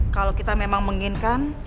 kalau kita memang menginginkan